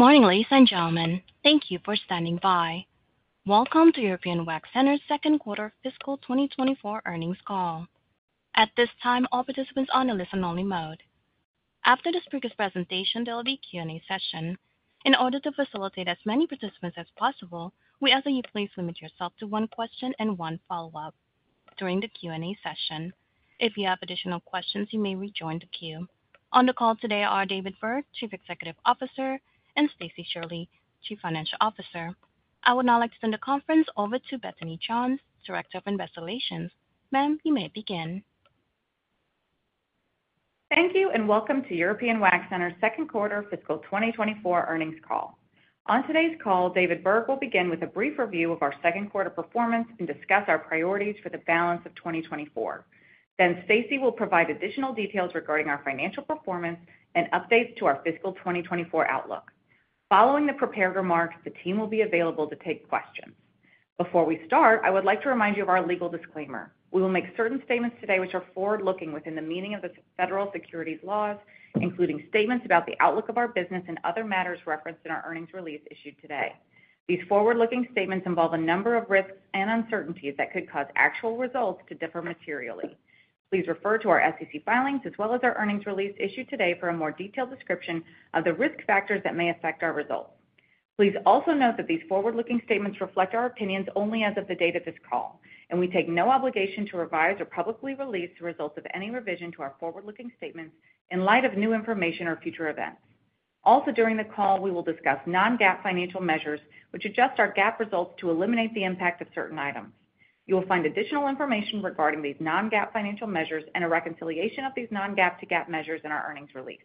Good morning, ladies and gentlemen. Thank you for standing by. Welcome to European Wax Center's second quarter fiscal 2024 earnings call. At this time, all participants on a listen-only mode. After the speaker's presentation, there will be Q&A session. In order to facilitate as many participants as possible, we ask that you please limit yourself to one question and one follow-up during the Q&A session. If you have additional questions, you may rejoin the queue. On the call today are David Berg, Chief Executive Officer, and Stacie Shirley, Chief Financial Officer. I would now like to send the conference over to Bethany Johns, Director of Investor Relations. Ma'am, you may begin. Thank you, and welcome to European Wax Center's second quarter fiscal 2024 earnings call. On today's call, David Berg will begin with a brief review of our second quarter performance and discuss our priorities for the balance of 2024. Then Stacie will provide additional details regarding our financial performance and updates to our fiscal 2024 outlook. Following the prepared remarks, the team will be available to take questions. Before we start, I would like to remind you of our legal disclaimer. We will make certain statements today which are forward-looking within the meaning of the federal securities laws, including statements about the outlook of our business and other matters referenced in our earnings release issued today. These forward-looking statements involve a number of risks and uncertainties that could cause actual results to differ materially. Please refer to our SEC filings as well as our earnings release issued today for a more detailed description of the risk factors that may affect our results. Please also note that these forward-looking statements reflect our opinions only as of the date of this call, and we take no obligation to revise or publicly release the results of any revision to our forward-looking statements in light of new information or future events. Also, during the call, we will discuss non-GAAP financial measures, which adjust our GAAP results to eliminate the impact of certain items. You will find additional information regarding these non-GAAP financial measures and a reconciliation of these non-GAAP to GAAP measures in our earnings release.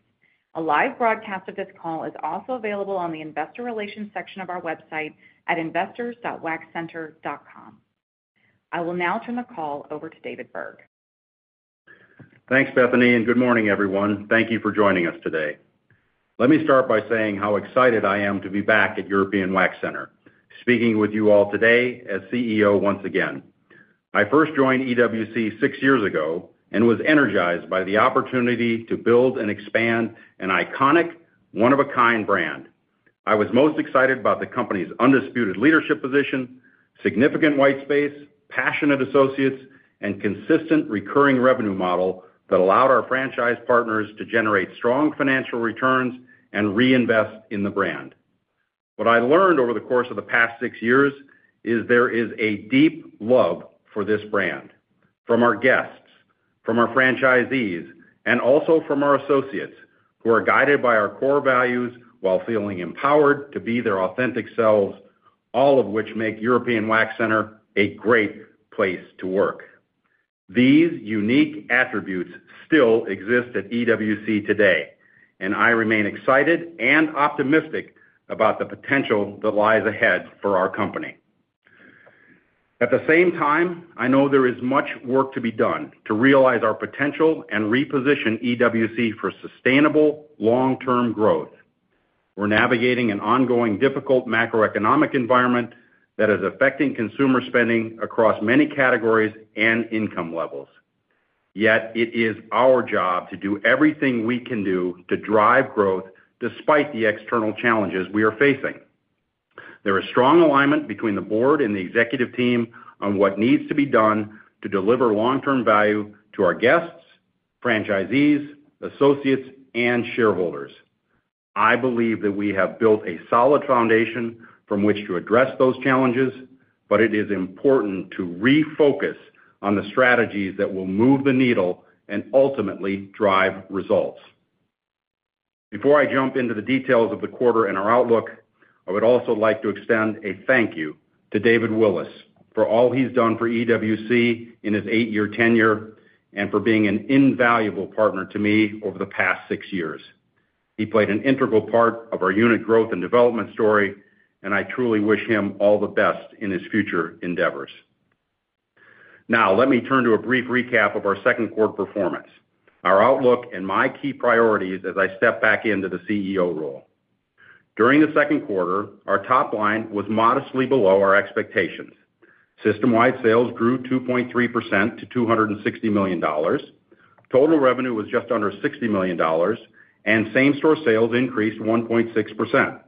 A live broadcast of this call is also available on the Investor Relations section of our website at investors.waxcenter.com. I will now turn the call over to David Berg. Thanks, Bethany, and good morning, everyone. Thank you for joining us today. Let me start by saying how excited I am to be back at European Wax Center, speaking with you all today as CEO once again. I first joined EWC six years ago and was energized by the opportunity to build and expand an iconic, one-of-a-kind brand. I was most excited about the company's undisputed leadership position, significant white space, passionate associates, and consistent recurring revenue model that allowed our franchise partners to generate strong financial returns and reinvest in the brand. What I learned over the course of the past six years is there is a deep love for this brand, from our guests, from our franchisees, and also from our associates, who are guided by our core values while feeling empowered to be their authentic selves, all of which make European Wax Center a great place to work. These unique attributes still exist at EWC today, and I remain excited and optimistic about the potential that lies ahead for our company. At the same time, I know there is much work to be done to realize our potential and reposition EWC for sustainable long-term growth. We're navigating an ongoing difficult macroeconomic environment that is affecting consumer spending across many categories and income levels. Yet it is our job to do everything we can do to drive growth despite the external challenges we are facing. There is strong alignment between the board and the executive team on what needs to be done to deliver long-term value to our guests, franchisees, associates, and shareholders. I believe that we have built a solid foundation from which to address those challenges, but it is important to refocus on the strategies that will move the needle and ultimately drive results. Before I jump into the details of the quarter and our outlook, I would also like to extend a thank you to David Willis for all he's done for EWC in his eight-year tenure and for being an invaluable partner to me over the past six years. He played an integral part of our unit growth and development story, and I truly wish him all the best in his future endeavors. Now, let me turn to a brief recap of our second quarter performance, our outlook, and my key priorities as I step back into the CEO role. During the second quarter, our top line was modestly below our expectations. System-wide sales grew 2.3% to $260 million. Total revenue was just under $60 million, and same-store sales increased 1.6%.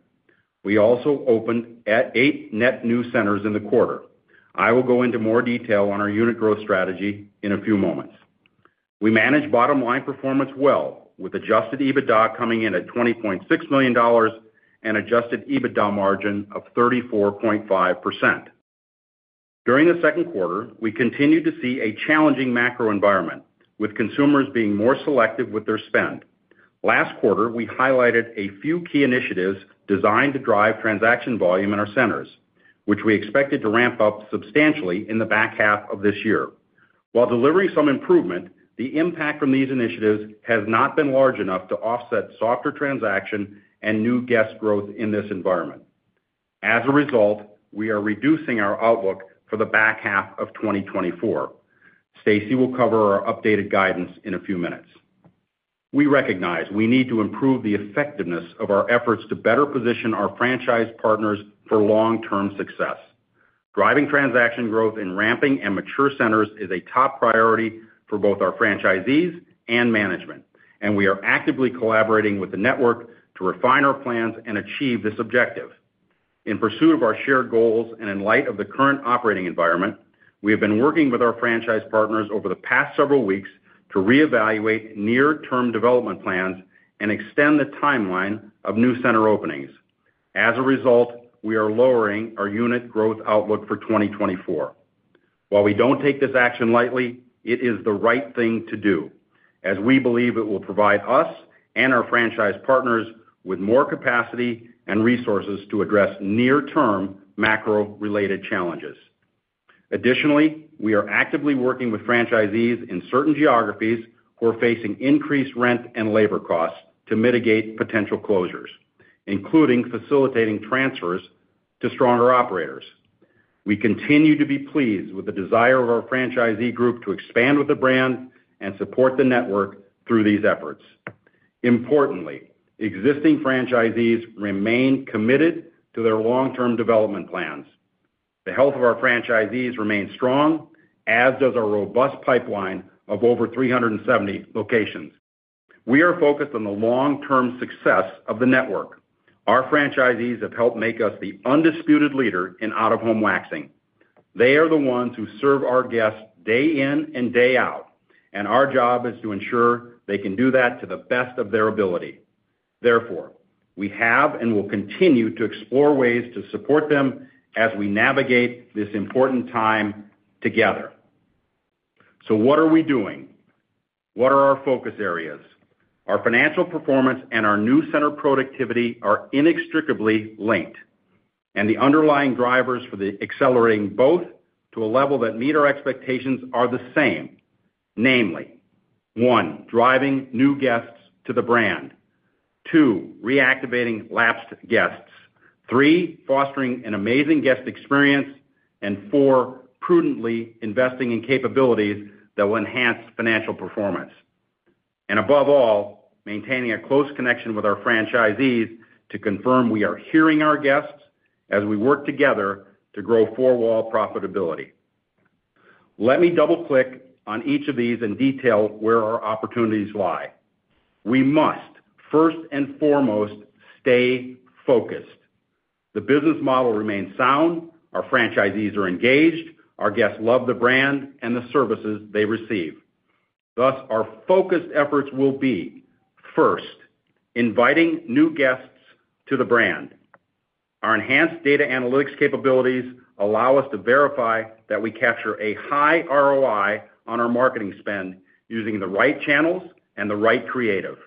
We also opened eight net new centers in the quarter. I will go into more detail on our unit growth strategy in a few moments. We managed bottom-line performance well, with Adjusted EBITDA coming in at $20.6 million and Adjusted EBITDA margin of 34.5%. During the second quarter, we continued to see a challenging macro environment, with consumers being more selective with their spend. Last quarter, we highlighted a few key initiatives designed to drive transaction volume in our centers, which we expected to ramp up substantially in the back half of this year. While delivering some improvement, the impact from these initiatives has not been large enough to offset softer transaction and new guest growth in this environment. As a result, we are reducing our outlook for the back half of 2024. Stacie will cover our updated guidance in a few minutes. We recognize we need to improve the effectiveness of our efforts to better position our franchise partners for long-term success. Driving transaction growth in ramping and mature centers is a top priority for both our franchisees and management, and we are actively collaborating with the network to refine our plans and achieve this objective. In pursuit of our shared goals and in light of the current operating environment, we have been working with our franchise partners over the past several weeks to reevaluate near-term development plans and extend the timeline of new center openings. As a result, we are lowering our unit growth outlook for 2024. While we don't take this action lightly, it is the right thing to do, as we believe it will provide us and our franchise partners with more capacity and resources to address near-term macro-related challenges. Additionally, we are actively working with franchisees in certain geographies who are facing increased rent and labor costs to mitigate potential closures, including facilitating transfers to stronger operators. We continue to be pleased with the desire of our franchisee group to expand with the brand and support the network through these efforts. Importantly, existing franchisees remain committed to their long-term development plans. The health of our franchisees remains strong, as does our robust pipeline of over 370 locations. We are focused on the long-term success of the network. Our franchisees have helped make us the undisputed leader in out-of-home waxing. They are the ones who serve our guests day in and day out, and our job is to ensure they can do that to the best of their ability. Therefore, we have and will continue to explore ways to support them as we navigate this important time together. So what are we doing? What are our focus areas? Our financial performance and our new center productivity are inextricably linked, and the underlying drivers for the accelerating both to a level that meet our expectations are the same. Namely, one, driving new guests to the brand. Two, reactivating lapsed guests. Three, fostering an amazing guest experience, and four, prudently investing in capabilities that will enhance financial performance. And above all, maintaining a close connection with our franchisees to confirm we are hearing our guests as we work together to grow four-wall profitability. Let me double-click on each of these in detail where our opportunities lie. We must, first and foremost, stay focused. The business model remains sound, our franchisees are engaged, our guests love the brand and the services they receive. Thus, our focused efforts will be, first, inviting new guests to the brand. Our enhanced data analytics capabilities allow us to verify that we capture a high ROI on our marketing spend using the right channels and the right creative.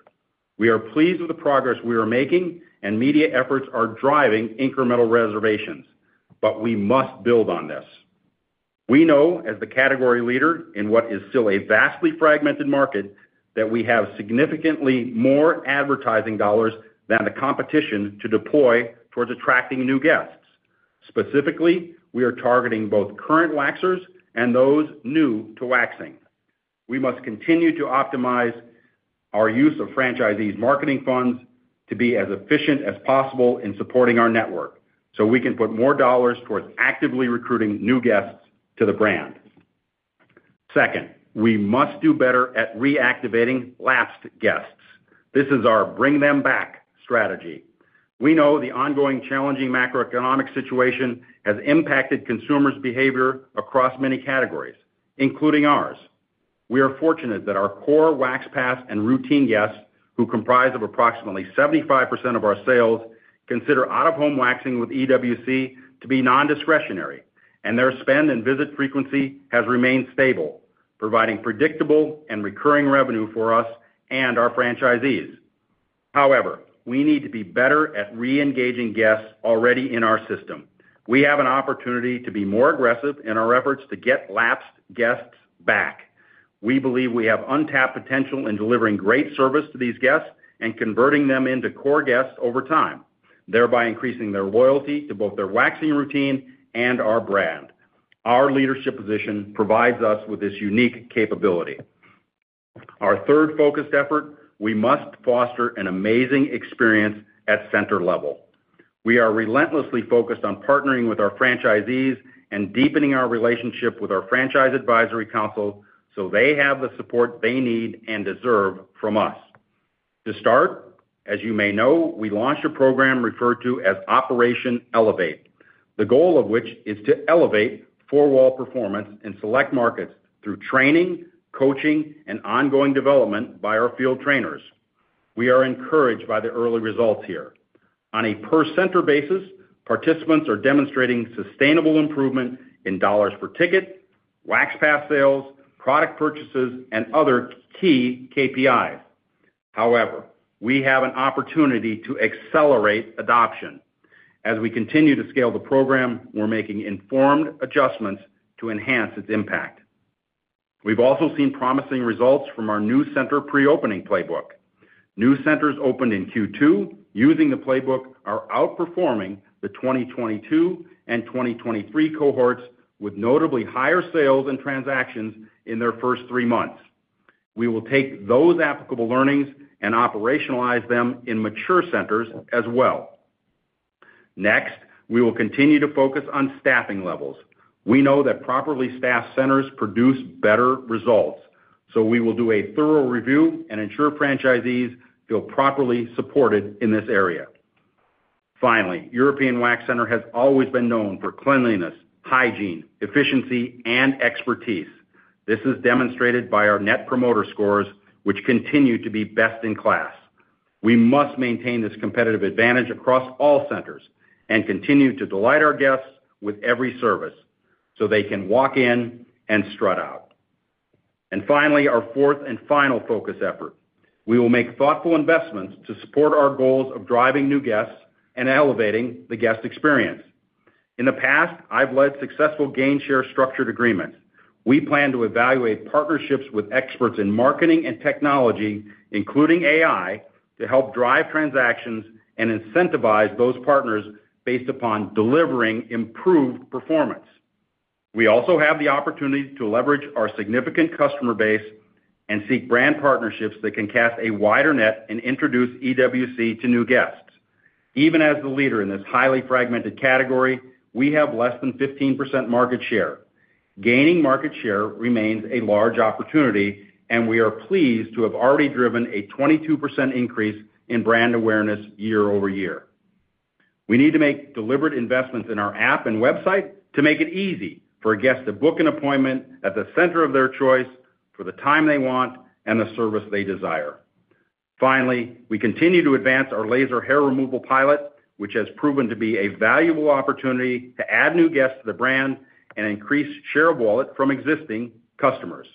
We are pleased with the progress we are making, and media efforts are driving incremental reservations, but we must build on this. We know as the category leader in what is still a vastly fragmented market, that we have significantly more advertising dollars than the competition to deploy towards attracting new guests. Specifically, we are targeting both current waxers and those new to waxing. We must continue to optimize our use of franchisees' marketing funds to be as efficient as possible in supporting our network, so we can put more dollars towards actively recruiting new guests to the brand. Second, we must do better at reactivating lapsed guests. This is our bring them back strategy. We know the ongoing challenging macroeconomic situation has impacted consumers' behavior across many categories, including ours. We are fortunate that our core wax pass and routine guests, who comprise of approximately 75% of our sales, consider out-of-home waxing with EWC to be nondiscretionary, and their spend and visit frequency has remained stable, providing predictable and recurring revenue for us and our franchisees. However, we need to be better at reengaging guests already in our system. We have an opportunity to be more aggressive in our efforts to get lapsed guests back. We believe we have untapped potential in delivering great service to these guests and converting them into core guests over time, thereby increasing their loyalty to both their waxing routine and our brand. Our leadership position provides us with this unique capability. Our third focused effort, we must foster an amazing experience at center level. We are relentlessly focused on partnering with our franchisees and deepening our relationship with our Franchise Advisory Council so they have the support they need and deserve from us. To start, as you may know, we launched a program referred to as Operation Elevate, the goal of which is to elevate four-wall performance in select markets through training, coaching, and ongoing development by our field trainers. We are encouraged by the early results here. On a per-center basis, participants are demonstrating sustainable improvement in dollars per ticket, Wax Pass sales, product purchases, and other key KPIs. However, we have an opportunity to accelerate adoption. As we continue to scale the program, we're making informed adjustments to enhance its impact. We've also seen promising results from our new center pre-opening playbook. New centers opened in Q2, using the playbook, are outperforming the 2022 and 2023 cohorts with notably higher sales and transactions in their first three months. We will take those applicable learnings and operationalize them in mature centers as well. Next, we will continue to focus on staffing levels. We know that properly staffed centers produce better results, so we will do a thorough review and ensure franchisees feel properly supported in this area. Finally, European Wax Center has always been known for cleanliness, hygiene, efficiency, and expertise. This is demonstrated by our Net Promoter Scores, which continue to be best-in-class. We must maintain this competitive advantage across all centers and continue to delight our guests with every service, so they can walk in and strut out. Finally, our fourth and final focus effort, we will make thoughtful investments to support our goals of driving new guests and elevating the guest experience. In the past, I've led successful gain share structured agreements. We plan to evaluate partnerships with experts in marketing and technology, including AI, to help drive transactions and incentivize those partners based upon delivering improved performance. We also have the opportunity to leverage our significant customer base and seek brand partnerships that can cast a wider net and introduce EWC to new guests. Even as the leader in this highly fragmented category, we have less than 15% market share. Gaining market share remains a large opportunity, and we are pleased to have already driven a 22% increase in brand awareness year-over-year. We need to make deliberate investments in our app and website to make it easy for a guest to book an appointment at the center of their choice, for the time they want and the service they desire. Finally, we continue to advance our laser hair removal pilot, which has proven to be a valuable opportunity to add new guests to the brand and increase share of wallet from existing customers.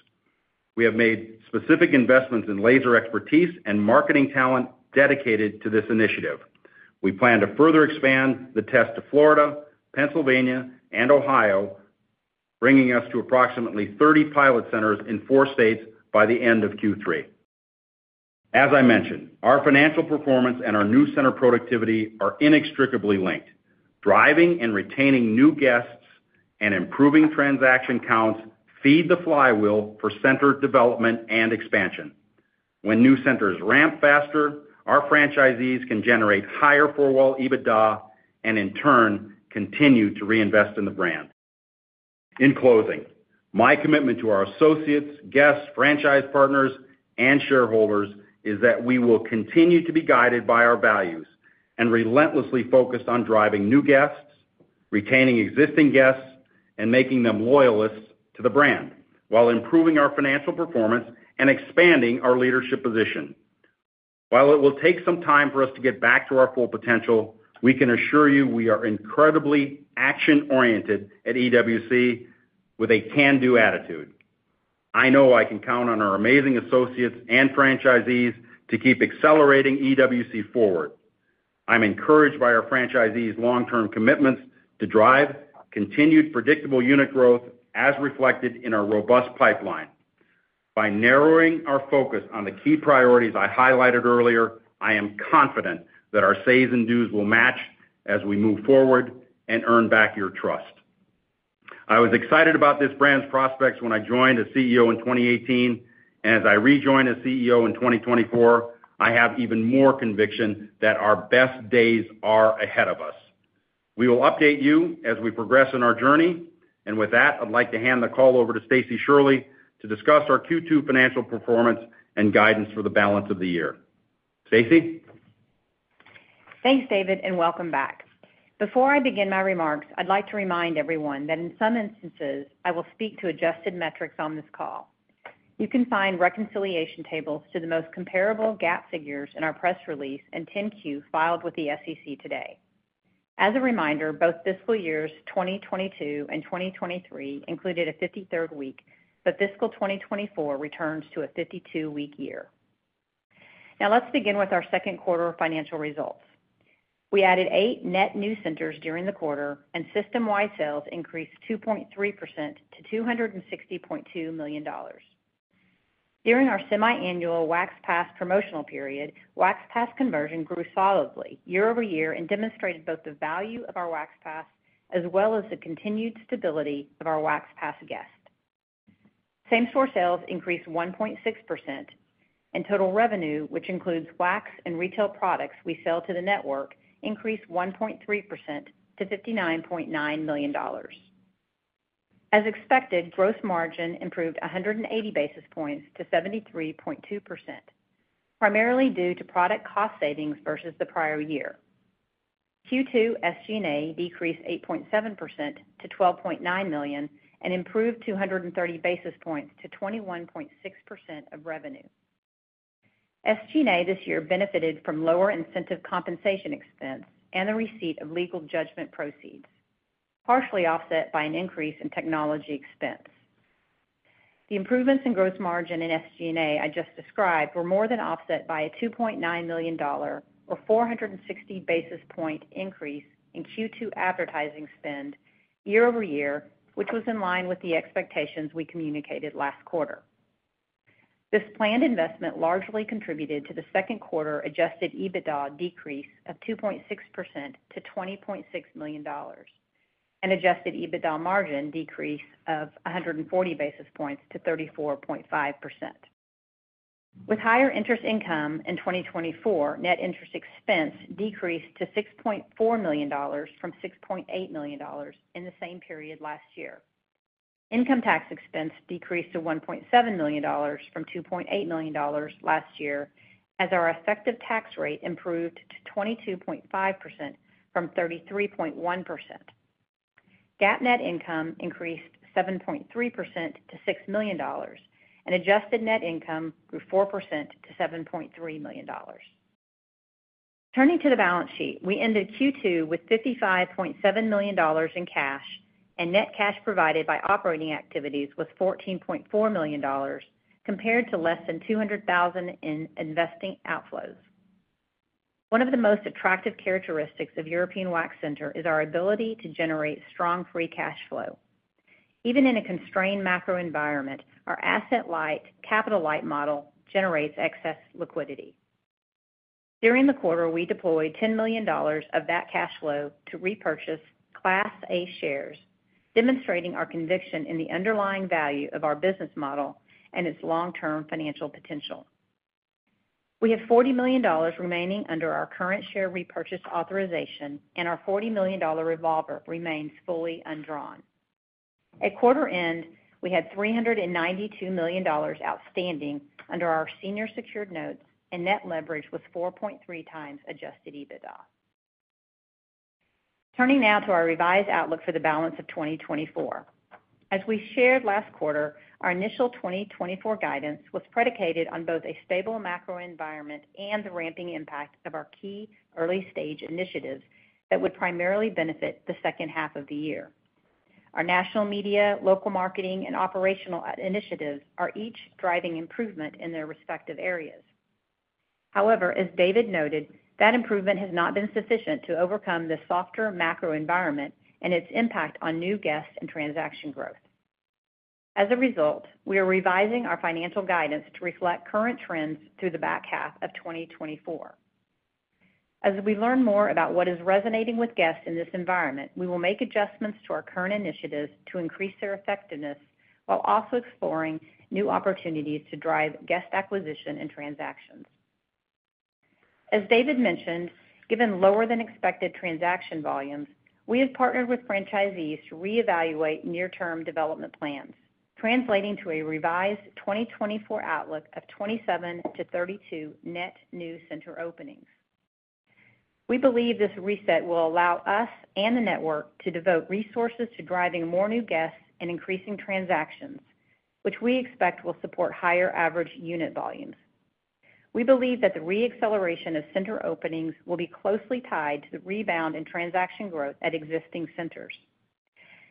We have made specific investments in laser expertise and marketing talent dedicated to this initiative. We plan to further expand the test to Florida, Pennsylvania, and Ohio, bringing us to approximately 30 pilot centers in four states by the end of Q3. As I mentioned, our financial performance and our new center productivity are inextricably linked. Driving and retaining new guests and improving transaction counts feed the flywheel for center development and expansion. When new centers ramp faster, our franchisees can generate higher Four-Wall EBITDA, and in turn, continue to reinvest in the brand. In closing, my commitment to our associates, guests, franchise partners, and shareholders is that we will continue to be guided by our values and relentlessly focused on driving new guests, retaining existing guests, and making them loyalists to the brand, while improving our financial performance and expanding our leadership position. While it will take some time for us to get back to our full potential, we can assure you we are incredibly action-oriented at EWC with a can-do attitude. I know I can count on our amazing associates and franchisees to keep accelerating EWC forward. I'm encouraged by our franchisees' long-term commitments to drive continued predictable unit growth, as reflected in our robust pipeline. By narrowing our focus on the key priorities I highlighted earlier, I am confident that our says and does will match as we move forward and earn back your trust. I was excited about this brand's prospects when I joined as CEO in 2018, and as I rejoined as CEO in 2024, I have even more conviction that our best days are ahead of us. We will update you as we progress in our journey. With that, I'd like to hand the call over to Stacie Shirley to discuss our Q2 financial performance and guidance for the balance of the year. Stacie? Thanks, David, and welcome back. Before I begin my remarks, I'd like to remind everyone that in some instances, I will speak to adjusted metrics on this call. You can find reconciliation tables to the most comparable GAAP figures in our press release and 10-Q filed with the SEC today. As a reminder, both fiscal years 2022 and 2023 included a 53rd week, but fiscal 2024 returns to a 52-week year. Now, let's begin with our second quarter financial results. We added eight net new centers during the quarter, and system-wide sales increased 2.3% to $260.2 million. During our semiannual Wax Pass promotional period, Wax Pass conversion grew solidly year-over-year and demonstrated both the value of our Wax Pass as well as the continued stability of our Wax Pass guests. Same-store sales increased 1.6%, and total revenue, which includes wax and retail products we sell to the network, increased 1.3% to $59.9 million. As expected, gross margin improved 100 basis points to 73.2%, primarily due to product cost savings versus the prior year. Q2 SG&A decreased 8.7% to $12.9 million and improved 230 basis points to 21.6% of revenue. SG&A this year benefited from lower incentive compensation expense and the receipt of legal judgment proceeds, partially offset by an increase in technology expense. The improvements in gross margin in SG&A I just described were more than offset by a $2.9 million or 460 basis point increase in Q2 advertising spend year-over-year, which was in line with the expectations we communicated last quarter. This planned investment largely contributed to the second quarter Adjusted EBITDA decrease of 2.6% to $20.6 million and Adjusted EBITDA margin decrease of 140 basis points to 34.5%. With higher interest income in 2024, net interest expense decreased to $6.4 million from $6.8 million in the same period last year. Income tax expense decreased to $1.7 million from $2.8 million last year, as our effective tax rate improved to 22.5% from 33.1%. GAAP net income increased 7.3% to $6 million, and adjusted net income grew 4% to $7.3 million. Turning to the balance sheet, we ended Q2 with $55.7 million in cash, and net cash provided by operating activities was $14.4 million, compared to less than $200,000 in investing outflows. One of the most attractive characteristics of European Wax Center is our ability to generate strong free cash flow. Even in a constrained macro environment, our asset-light, capital-light model generates excess liquidity. During the quarter, we deployed $10 million of that cash flow to repurchase Class A shares, demonstrating our conviction in the underlying value of our business model and its long-term financial potential. We have $40 million remaining under our current share repurchase authorization, and our $40 million revolver remains fully undrawn. At quarter end, we had $392 million outstanding under our senior secured notes, and net leverage was 4.3x Adjusted EBITDA. Turning now to our revised outlook for the balance of 2024. As we shared last quarter, our initial 2024 guidance was predicated on both a stable macro environment and the ramping impact of our key early-stage initiatives that would primarily benefit the second half of the year. Our national media, local marketing, and operational initiatives are each driving improvement in their respective areas. However, as David noted, that improvement has not been sufficient to overcome the softer macro environment and its impact on new guests and transaction growth. As a result, we are revising our financial guidance to reflect current trends through the back half of 2024. As we learn more about what is resonating with guests in this environment, we will make adjustments to our current initiatives to increase their effectiveness, while also exploring new opportunities to drive guest acquisition and transactions. As David mentioned, given lower than expected transaction volumes, we have partnered with franchisees to reevaluate near-term development plans, translating to a revised 2024 outlook of 27-32 net new center openings. We believe this reset will allow us and the network to devote resources to driving more new guests and increasing transactions, which we expect will support higher average unit volumes. We believe that the re-acceleration of center openings will be closely tied to the rebound in transaction growth at existing centers.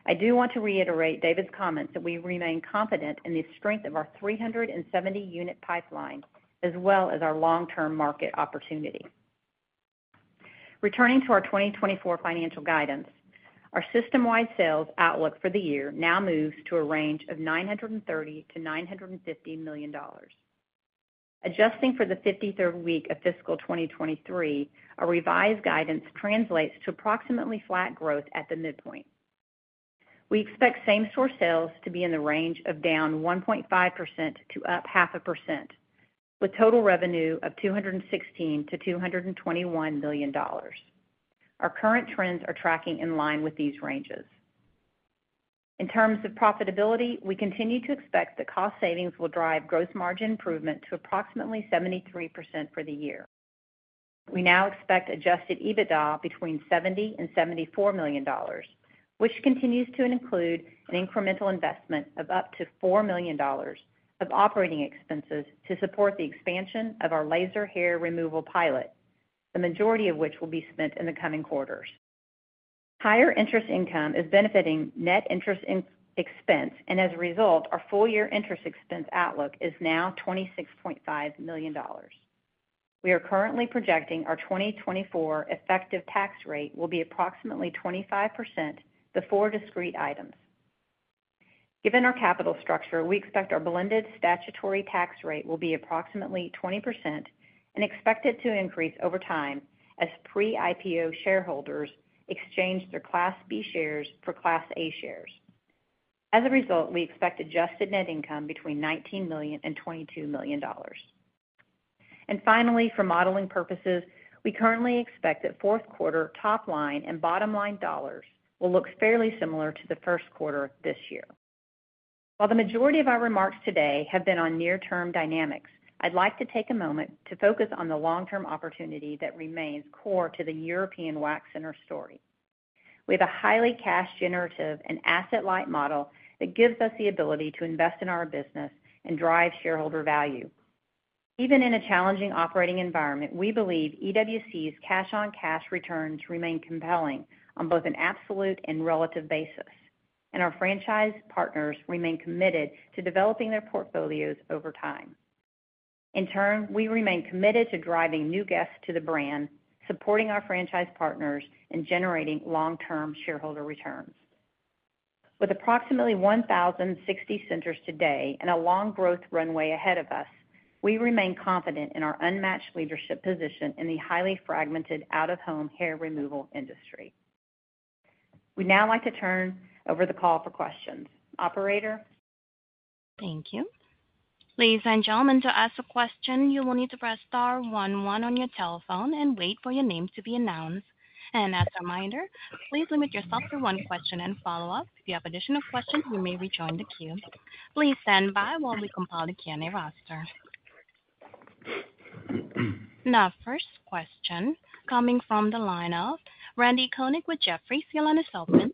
I do want to reiterate David's comments that we remain confident in the strength of our 370 unit pipeline, as well as our long-term market opportunity. Returning to our 2024 financial guidance, our system-wide sales outlook for the year now moves to a range of $930 million-$950 million. Adjusting for the 53rd week of fiscal 2023, our revised guidance translates to approximately flat growth at the midpoint. We expect same-store sales to be in the range of down 1.5% to up 0.5%, with total revenue of $216 million-$221 million. Our current trends are tracking in line with these ranges. In terms of profitability, we continue to expect that cost savings will drive gross margin improvement to approximately 73% for the year. We now expect adjusted EBITDA between $70 million and $74 million, which continues to include an incremental investment of up to $4 million of operating expenses to support the expansion of our laser hair removal pilot, the majority of which will be spent in the coming quarters. Higher interest income is benefiting net interest expense, and as a result, our full-year interest expense outlook is now $26.5 million. We are currently projecting our 2024 effective tax rate will be approximately 25% before discrete items. Given our capital structure, we expect our blended statutory tax rate will be approximately 20% and expect it to increase over time as pre-IPO shareholders exchange their Class B shares for Class A shares. As a result, we expect adjusted net income between $19 million and $22 million. And finally, for modeling purposes, we currently expect that fourth quarter top line and bottom line dollars will look fairly similar to the first quarter this year. While the majority of our remarks today have been on near-term dynamics, I'd like to take a moment to focus on the long-term opportunity that remains core to the European Wax Center story. We have a highly cash generative and asset-light model that gives us the ability to invest in our business and drive shareholder value. Even in a challenging operating environment, we believe EWC's cash-on-cash returns remain compelling on both an absolute and relative basis, and our franchise partners remain committed to developing their portfolios over time. In turn, we remain committed to driving new guests to the brand, supporting our franchise partners, and generating long-term shareholder returns. With approximately 1,060 centers today and a long growth runway ahead of us, we remain confident in our unmatched leadership position in the highly fragmented out-of-home hair removal industry. We'd now like to turn over the call for questions. Operator? Thank you. Ladies and gentlemen, to ask a question, you will need to press star one, one on your telephone and wait for your name to be announced. As a reminder, please limit yourself to one question and follow-up. If you have additional questions, you may rejoin the queue. Please stand by while we compile the Q&A roster. Now, first question coming from the line of Randy Konik with Jefferies. Your line is open.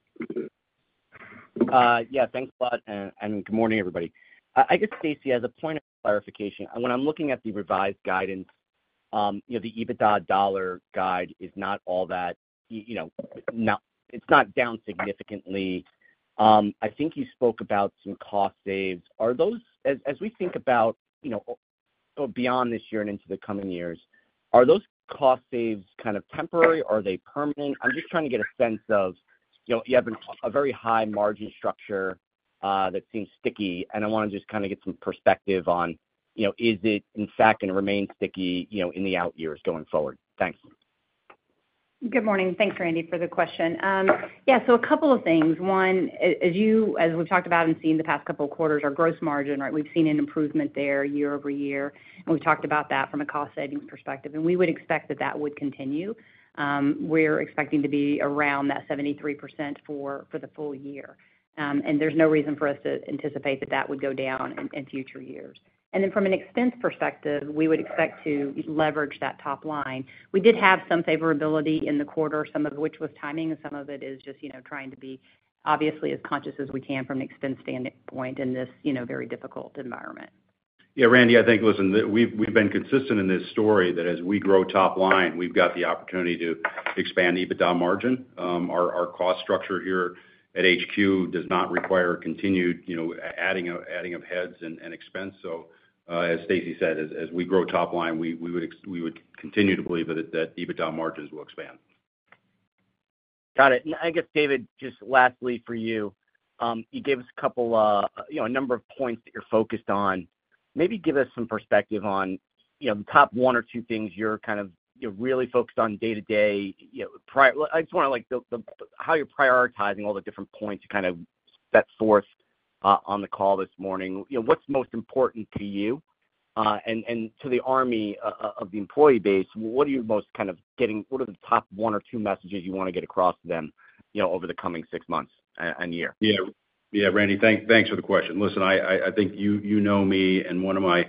Yeah, thanks a lot, and good morning, everybody. I guess, Stacie, as a point of clarification, when I'm looking at the revised guidance, you know, the EBITDA dollar guide is not down significantly. I think you spoke about some cost saves. Are those as we think about, you know, beyond this year and into the coming years, are those cost saves kind of temporary? Are they permanent? I'm just trying to get a sense of, you know, you have a very high margin structure that seems sticky, and I wanna just kind of get some perspective on, you know, is it, in fact, going to remain sticky, you know, in the out years going forward? Thanks. Good morning. Thanks, Randy, for the question. Yeah, so a couple of things. One, as we've talked about and seen the past couple of quarters, our gross margin, right? We've seen an improvement there year-over-year, and we've talked about that from a cost savings perspective, and we would expect that that would continue. We're expecting to be around that 73% for the full-year. And there's no reason for us to anticipate that that would go down in future years. And then from an expense perspective, we would expect to leverage that top line. We did have some favorability in the quarter, some of which was timing, and some of it is just, you know, trying to be obviously as conscious as we can from an expense standpoint in this, you know, very difficult environment. Yeah, Randy, I think, listen, we've been consistent in this story that as we grow top line, we've got the opportunity to expand EBITDA margin. Our cost structure here at HQ does not require continued, you know, adding of heads and expense. So, as Stacie said, as we grow top line, we would continue to believe that EBITDA margins will expand. Got it. And I guess, David, just lastly for you, you gave us a couple, you know, a number of points that you're focused on. Maybe give us some perspective on, you know, the top one or two things you're kind of, you're really focused on day-to-day. You know, I just wonder, like, how you're prioritizing all the different points you kind of set forth on the call this morning. You know, what's most important to you, and to the army of the employee base, what are the top one or two messages you want to get across to them, you know, over the coming six months and year? Yeah. Yeah, Randy, thanks for the question. Listen, I think you know me, and one of my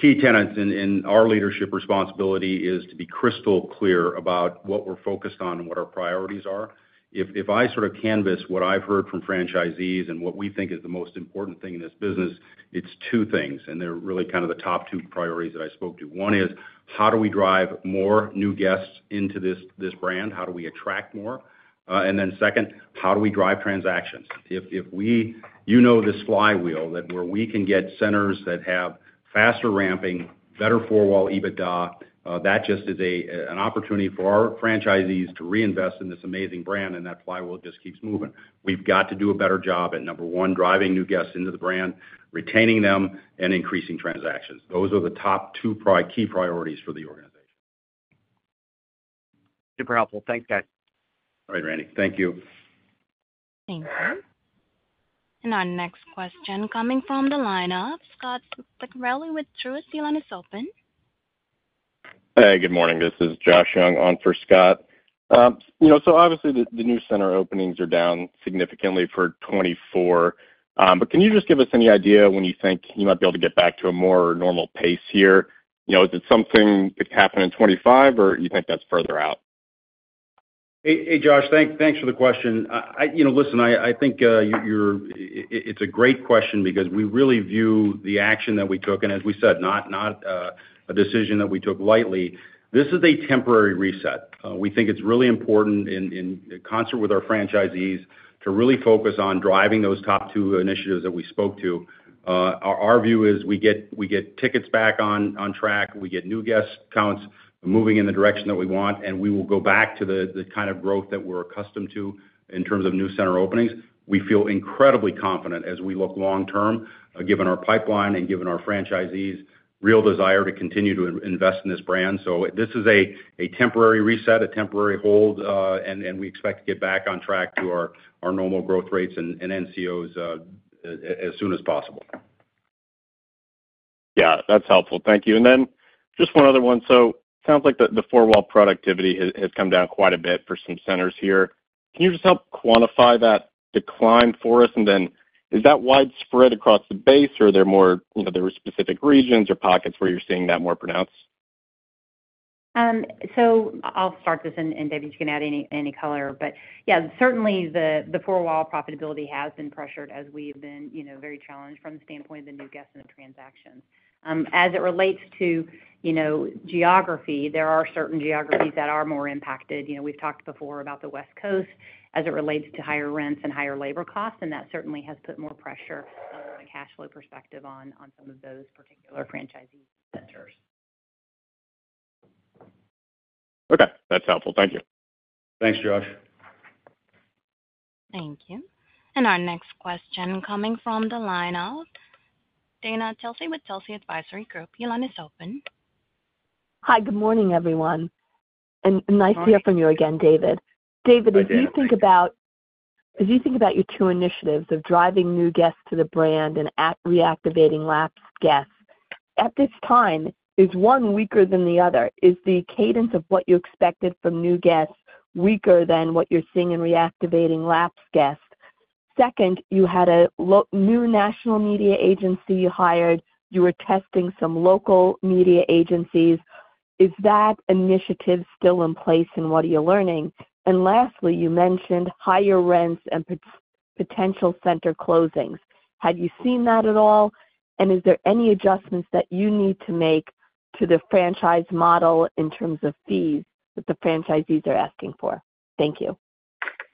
key tenets in our leadership responsibility is to be crystal clear about what we're focused on and what our priorities are. If I sort of canvas what I've heard from franchisees and what we think is the most important thing in this business, it's two things, and they're really kind of the top two priorities that I spoke to. One is: how do we drive more new guests into this brand? How do we attract more? And then second: how do we drive transactions? If we, You know, this flywheel that where we can get centers that have faster ramping, better Four-Wall EBITDA, that just is a, an opportunity for our franchisees to reinvest in this amazing brand, and that flywheel just keeps moving. We've got to do a better job at, number one, driving new guests into the brand, retaining them, and increasing transactions. Those are the top two key priorities for the organization. Super helpful. Thanks, guys. All right, Randy. Thank you. Thanks. Our next question coming from the line of Scott Ciccarelli with Truist. Your line is open. Hey, good morning. This is Josh Young on for Scott. You know, so obviously, the new center openings are down significantly for 2024, but can you just give us any idea when you think you might be able to get back to a more normal pace here? You know, is it something that could happen in 2025, or you think that's further out? Hey, Josh, thanks for the question. You know, listen, I think it's a great question because we really view the action that we took, and as we said, not a decision that we took lightly. This is a temporary reset. We think it's really important in concert with our franchisees to really focus on driving those top two initiatives that we spoke to. Our view is we get tickets back on track, we get new guest counts moving in the direction that we want, and we will go back to the kind of growth that we're accustomed to in terms of new center openings. We feel incredibly confident as we look long term, given our pipeline and given our franchisees' real desire to continue to invest in this brand. So this is a temporary reset, a temporary hold, and we expect to get back on track to our normal growth rates and NCOs as soon as possible. Yeah, that's helpful. Thank you. And then just one other one. So sounds like the four-wall productivity has come down quite a bit for some centers here. Can you just help quantify that decline for us? And then is that widespread across the base, or are there more, you know, there are specific regions or pockets where you're seeing that more pronounced? So I'll start this, and David, you can add any color. But yeah, certainly the four-wall profitability has been pressured as we've been, you know, very challenged from the standpoint of the new guests and the transactions. As it relates to, you know, geography, there are certain geographies that are more impacted. You know, we've talked before about the West Coast as it relates to higher rents and higher labor costs, and that certainly has put more pressure from a cash flow perspective on some of those particular franchisee centers. Okay, that's helpful. Thank you. Thanks, Josh. Thank you. Our next question coming from the line of Dana Telsey with Telsey Advisory Group. Your line is open. Hi, good morning, everyone, and nice to hear from you again, David. David, as you think about your two initiatives of driving new guests to the brand and reactivating lapsed guests, at this time, is one weaker than the other? Is the cadence of what you expected from new guests weaker than what you're seeing in reactivating lapsed guests? Second, you had a new national media agency you hired. You were testing some local media agencies. Is that initiative still in place, and what are you learning? Lastly, you mentioned higher rents and potential center closings. Have you seen that at all? And is there any adjustments that you need to make to the franchise model in terms of fees that the franchisees are asking for? Thank you.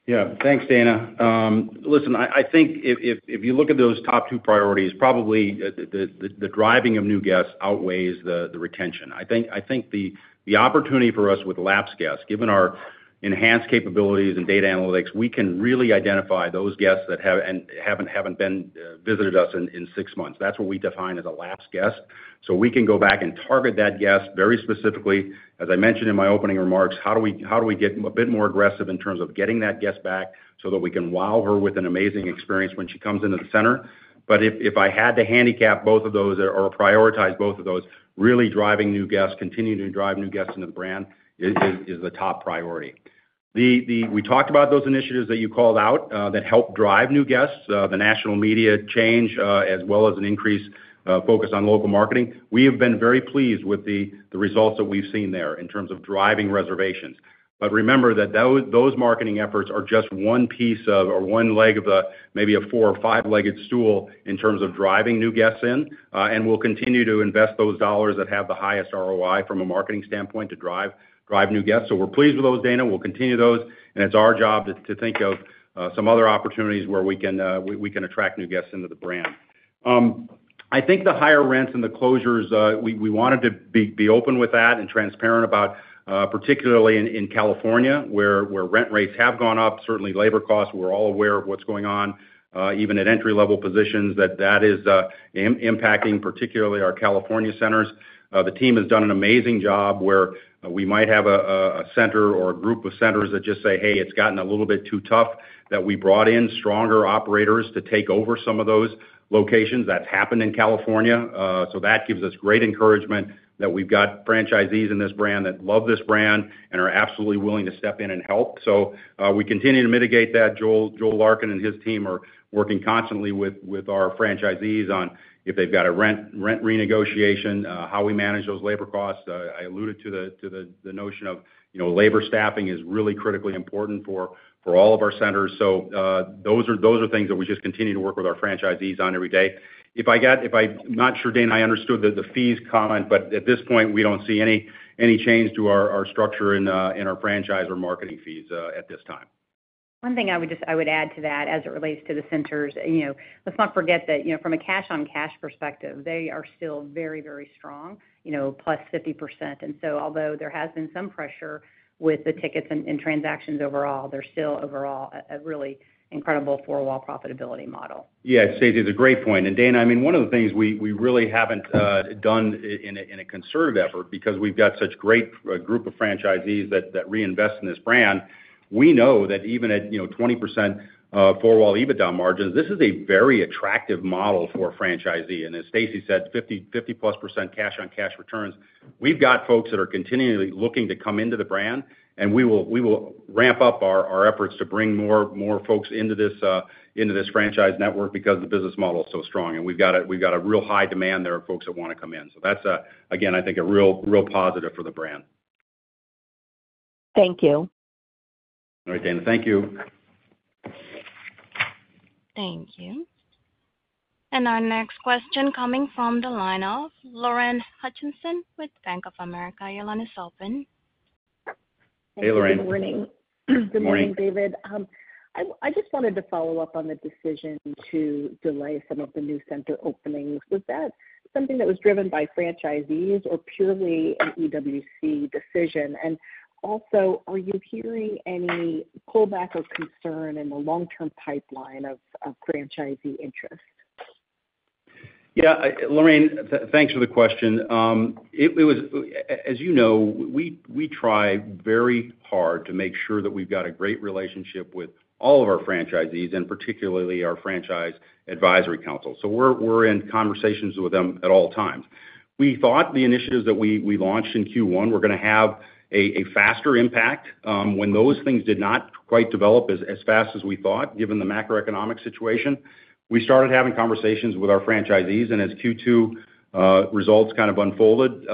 Yeah. Thanks, Dana. Listen, I think if you look at those top two priorities, probably the driving of new guests outweighs the retention. I think the opportunity for us with lapsed guests, given our enhanced capabilities and data analytics, we can really identify those guests that have and haven't been visited us in six months. That's what we define as a lapsed guest. So we can go back and target that guest very specifically. As I mentioned in my opening remarks, how do we get a bit more aggressive in terms of getting that guest back so that we can wow her with an amazing experience when she comes into the center? But if I had to handicap both of those or prioritize both of those, really driving new guests, continuing to drive new guests into the brand is the top priority. We talked about those initiatives that you called out that help drive new guests, the national media change, as well as an increased focus on local marketing. We have been very pleased with the results that we've seen there in terms of driving reservations. But remember that those marketing efforts are just one piece of, or one leg of a, maybe a four or five-legged stool in terms of driving new guests in, and we'll continue to invest those dollars that have the highest ROI from a marketing standpoint to drive new guests. So we're pleased with those, Dana. We'll continue those, and it's our job to think of some other opportunities where we can attract new guests into the brand. I think the higher rents and the closures, we wanted to be open with that and transparent about, particularly in California, where rent rates have gone up, certainly labor costs. We're all aware of what's going on, even at entry-level positions, that is impacting, particularly our California centers. The team has done an amazing job where we might have a center or a group of centers that just say, "Hey, it's gotten a little bit too tough," that we brought in stronger operators to take over some of those locations. That's happened in California, so that gives us great encouragement that we've got franchisees in this brand that love this brand and are absolutely willing to step in and help. So, we continue to mitigate that. Joel Larkin and his team are working constantly with our franchisees on if they've got a rent renegotiation, how we manage those labor costs. I alluded to the notion of, you know, labor staffing is really critically important for all of our centers. So, those are things that we just continue to work with our franchisees on every day. I'm not sure, Dana, I understood the fees comment, but at this point, we don't see any change to our structure in our franchise or marketing fees at this time. One thing I would add to that as it relates to the centers, you know, let's not forget that, you know, from a cash-on-cash perspective, they are still very, very strong, you know, +50%. And so although there has been some pressure with the tickets and transactions overall, they're still overall a really incredible four-wall profitability model. Yeah, Stacie, it's a great point. And Dana, I mean, one of the things we really haven't done in a conservative effort, because we've got such great group of franchisees that reinvest in this brand. We know that even at, you know, 20% Four-Wall EBITDA margins, this is a very attractive model for a franchisee, and as Stacie said, 50+% cash-on-cash returns. We've got folks that are continually looking to come into the brand, and we will ramp up our efforts to bring more folks into this franchise network because the business model is so strong, and we've got a real high demand; there are folks that wanna come in. So that's, again, I think a real positive for the brand. Thank you. All right, Dana. Thank you. Thank you. Our next question coming from the line of Lorraine Hutchinson with Bank of America. Your line is open. Hey, Lorraine. Good morning. Good morning, David. I just wanted to follow up on the decision to delay some of the new center openings. Was that something that was driven by franchisees or purely an EWC decision? And also, are you hearing any pullback or concern in the long-term pipeline of franchisee interest? Yeah, Lorraine, thanks for the question. It was as you know, we try very hard to make sure that we've got a great relationship with all of our franchisees and particularly our franchise advisory council, so we're in conversations with them at all times. We thought the initiatives that we launched in Q1 were gonna have a faster impact. When those things did not quite develop as fast as we thought, given the macroeconomic situation, we started having conversations with our franchisees, and as Q2 results kind of unfolded,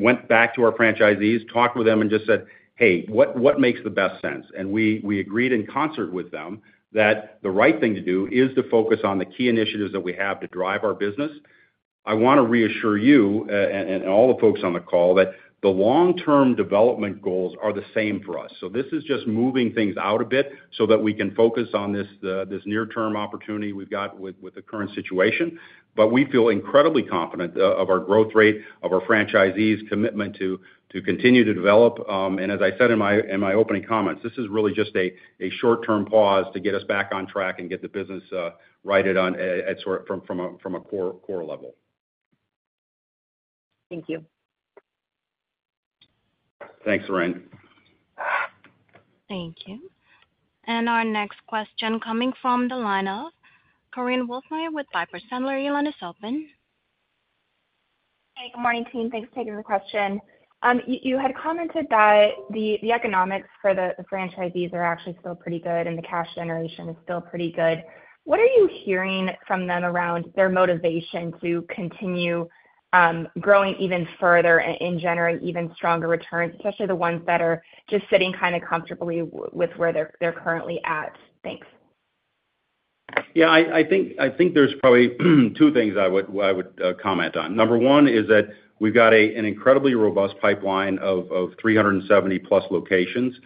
went back to our franchisees, talked with them, and just said, "Hey, what makes the best sense?" And we agreed in concert with them that the right thing to do is to focus on the key initiatives that we have to drive our business. I wanna reassure you, and all the folks on the call, that the long-term development goals are the same for us. So this is just moving things out a bit so that we can focus on this, this near-term opportunity we've got with the current situation. But we feel incredibly confident of our growth rate, of our franchisees' commitment to continue to develop. And as I said in my opening comments, this is really just a short-term pause to get us back on track and get the business righted on at sort of from a core level. Thank you. Thanks, Lorraine. Thank you. Our next question coming from the line of Korinne Wolfmeyer with Piper Sandler. Your line is open. Hey, good morning, team. Thanks for taking the question. You had commented that the economics for the franchisees are actually still pretty good, and the cash generation is still pretty good. What are you hearing from them around their motivation to continue growing even further and generating even stronger returns, especially the ones that are just sitting kind of comfortably with where they're currently at? Thanks. Yeah, I think there's probably two things I would comment on. Number one is that we've got an incredibly robust pipeline of 370+ locations.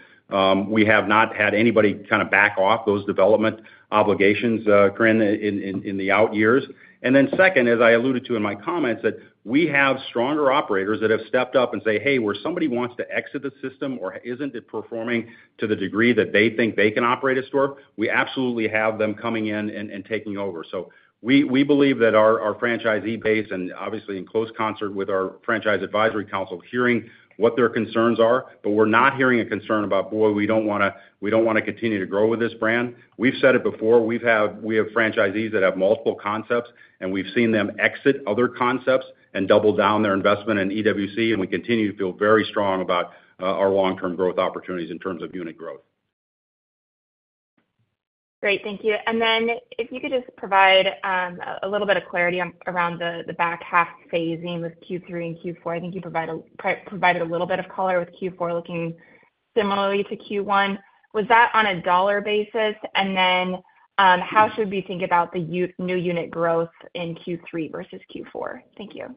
We have not had anybody kind of back off those development obligations, Korinne, in the out years. And then second, as I alluded to in my comments, that we have stronger operators that have stepped up and say, "Hey, where somebody wants to exit the system or isn't it performing to the degree that they think they can operate a store," we absolutely have them coming in and taking over. So we believe that our franchisee base, and obviously in close concert with our franchise advisory council, hearing what their concerns are, but we're not hearing a concern about, "Boy, we don't wanna continue to grow with this brand." We've said it before, we have franchisees that have multiple concepts, and we've seen them exit other concepts and double down their investment in EWC, and we continue to feel very strong about our long-term growth opportunities in terms of unit growth. Great. Thank you. And then if you could just provide a little bit of clarity on around the back half phasing with Q3 and Q4. I think you provided a little bit of color with Q4 looking similarly to Q1. Was that on a dollar basis? And then, how should we think about the new unit growth in Q3 versus Q4? Thank you.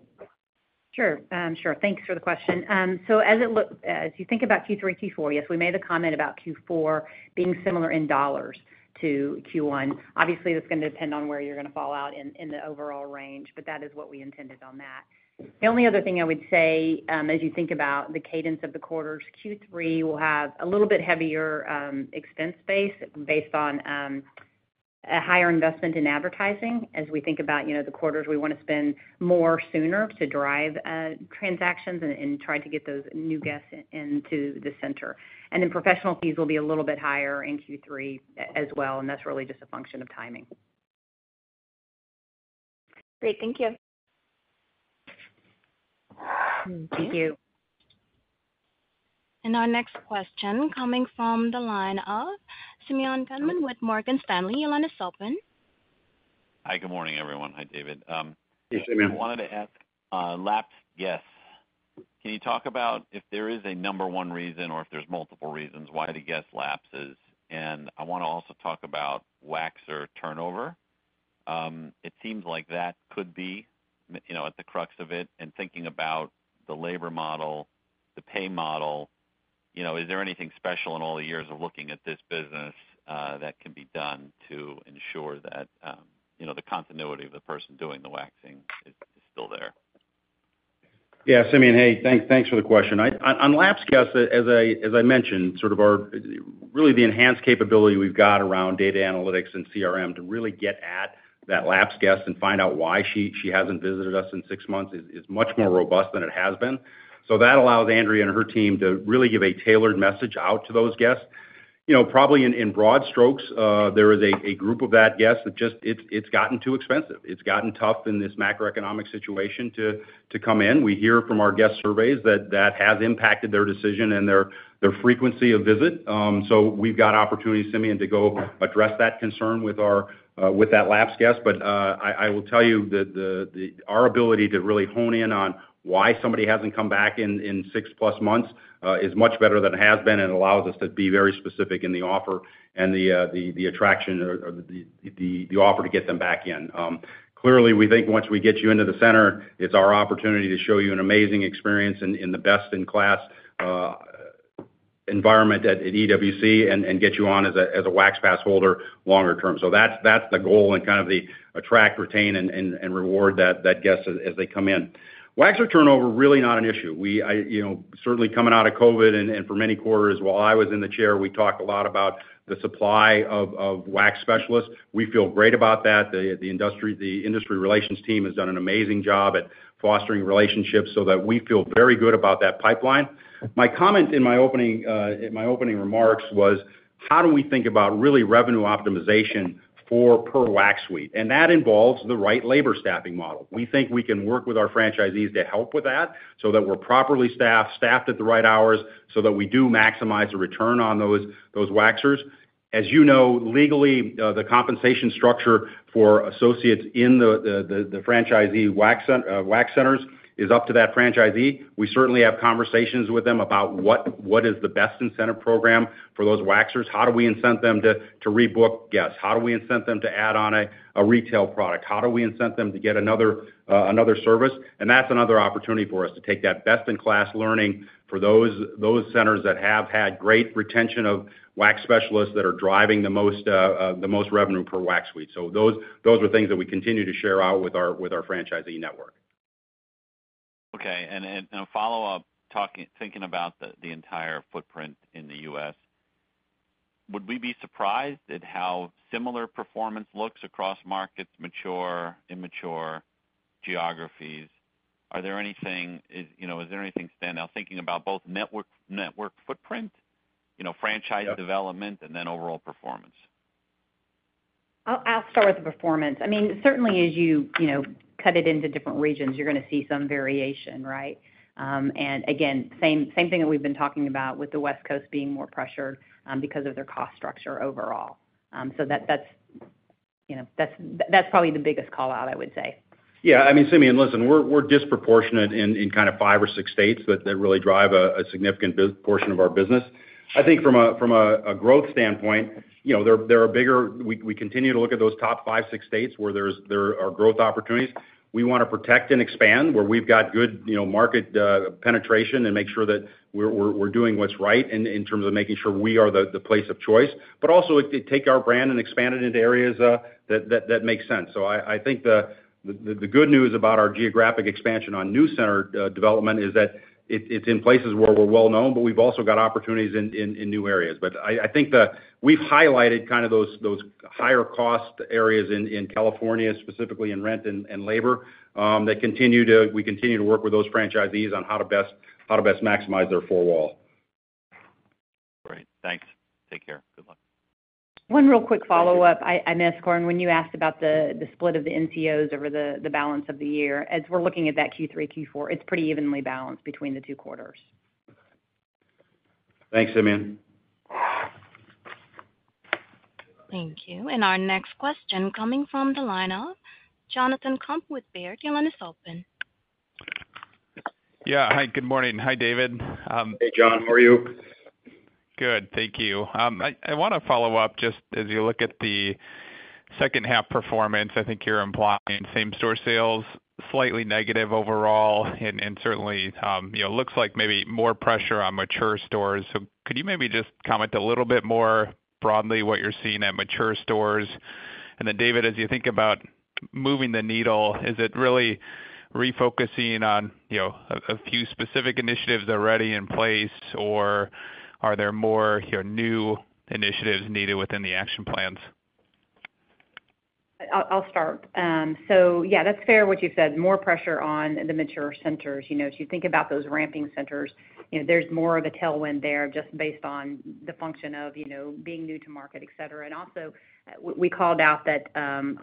Sure. Sure. Thanks for the question. So as it looks, as you think about Q3, Q4, yes, we made a comment about Q4 being similar in dollars to Q1. Obviously, that's gonna depend on where you're gonna fall out in the overall range, but that is what we intended on that. The only other thing I would say, as you think about the cadence of the quarters, Q3 will have a little bit heavier expense base based on a higher investment in advertising. As we think about, you know, the quarters, we wanna spend more sooner to drive transactions and try to get those new guests into the center. And then professional fees will be a little bit higher in Q3 as well, and that's really just a function of timing. Great. Thank you. Mm, thank you. Our next question coming from the line of Simeon Gutman with Morgan Stanley. Your line is open. Hi, good morning, everyone. Hi, David. Hey, Simeon. I wanted to ask, lapsed guests. Can you talk about if there is a number one reason or if there's multiple reasons why the guest lapses? And I wanna also talk about waxer turnover. It seems like that could be, you know, at the crux of it. And thinking about the labor model, the pay model, you know, is there anything special in all the years of looking at this business, that can be done to ensure that, you know, the continuity of the person doing the waxing is still there? Yeah, Simeon, hey, thanks, thanks for the question. On lapsed guests, as I, as I mentioned, sort of our really the enhanced capability we've got around data analytics and CRM to really get at that lapsed guest and find out why she, she hasn't visited us in six months is, is much more robust than it has been. So that allows Andrea and her team to really give a tailored message out to those guests. You know, probably in, in broad strokes, there is a, a group of that guest that just it's, it's gotten too expensive. It's gotten tough in this macroeconomic situation to, to come in. We hear from our guest surveys that that has impacted their decision and their, their frequency of visit. So we've got opportunities, Simeon, to go address that concern with our, with that lapsed guest. But I will tell you that our ability to really hone in on why somebody hasn't come back in six-plus months is much better than it has been and allows us to be very specific in the offer and the attraction or the offer to get them back in. Clearly, we think once we get you into the center, it's our opportunity to show you an amazing experience and the best-in-class environment at EWC and get you on as a Wax Pass holder longer term. So that's the goal and kind of the attract, retain, and reward that guest as they come in. Waxer turnover, really not an issue. We, you know, certainly coming out of COVID and for many quarters while I was in the chair, we talked a lot about the supply of wax specialists. We feel great about that. The industry relations team has done an amazing job at fostering relationships so that we feel very good about that pipeline. My comment in my opening remarks was: How do we think about really revenue optimization for per wax suite, and that involves the right labor staffing model. We think we can work with our franchisees to help with that, so that we're properly staffed at the right hours, so that we do maximize the return on those waxers. As you know, legally, the compensation structure for associates in the franchisee wax centers is up to that franchisee. We certainly have conversations with them about what is the best incentive program for those waxers. How do we incent them to rebook guests? How do we incent them to add on a retail product? How do we incent them to get another service? And that's another opportunity for us to take that best-in-class learning for those centers that have had great retention of wax specialists that are driving the most revenue per wax suite. So those are things that we continue to share out with our franchisee network. Okay. And a follow-up, talking, thinking about the entire footprint in the U.S. Would we be surprised at how similar performance looks across markets, mature, immature geographies? You know, is there anything stand out, thinking about both network footprint, you know, franchise development and then overall performance? I'll start with the performance. I mean, certainly, as you know, cut it into different regions, you're gonna see some variation, right? And again, same thing that we've been talking about with the West Coast being more pressured, because of their cost structure overall. So that's, you know, that's probably the biggest call-out, I would say. Yeah. I mean, Simeon, listen, we're disproportionate in kind of five or six states that really drive a significant portion of our business. I think from a growth standpoint, you know, there are bigger. We continue to look at those top five, six states where there are growth opportunities. We want to protect and expand where we've got good, you know, market penetration and make sure that we're doing what's right in terms of making sure we are the place of choice, but also to take our brand and expand it into areas that make sense. So I think the good news about our geographic expansion on new center development is that it's in places where we're well known, but we've also got opportunities in new areas. But I think we've highlighted kind of those higher cost areas in California, specifically in rent and labor, that continue to, we continue to work with those franchisees on how to best maximize their four-wall. Great. Thanks. Take care. Good luck. One real quick follow-up. I missed, Korinne, when you asked about the split of the NCOs over the balance of the year. As we're looking at that Q3, Q4, it's pretty evenly balanced between the two quarters. Thanks, Simeon. Thank you. Our next question coming from the line of Jonathan Komp with Baird. Your line is open. Yeah. Hi, good morning. Hi, David. Hey, John, how are you? Good, thank you. I wanna follow up just as you look at the second half performance. I think you're implying same store sales, slightly negative overall, and certainly, you know, looks like maybe more pressure on mature stores. So could you maybe just comment a little bit more broadly what you're seeing at mature stores? And then, David, as you think about moving the needle, is it really refocusing on, you know, a few specific initiatives already in place, or are there more new initiatives needed within the action plans? I'll start. So yeah, that's fair, what you said, more pressure on the mature centers. You know, as you think about those ramping centers, you know, there's more of a tailwind there just based on the function of, you know, being new to market, etc. And also, we called out that,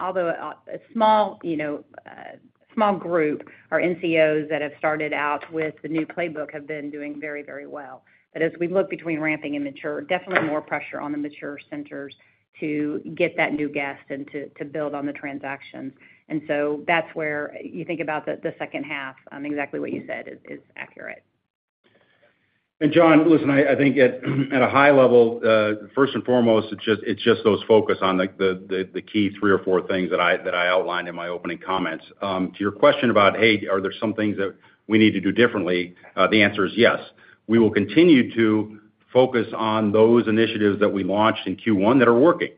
although a small, you know, small group, our NCOs that have started out with the new playbook have been doing very, very well. But as we look between ramping and mature, definitely more pressure on the mature centers to get that new guest and to build on the transaction. And so that's where you think about the second half, exactly what you said is accurate. And John, listen, I think at a high level, first and foremost, it's just those focus on, like, the key three or four things that I outlined in my opening comments. To your question about, "Hey, are there some things that we need to do differently?" The answer is yes. We will continue to focus on those initiatives that we launched in Q1 that are working,